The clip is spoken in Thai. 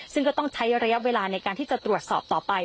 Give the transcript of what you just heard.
ซึ่งก็ต้องใช้ระยะเวลาในการที่จะตรวจสอบต่อไป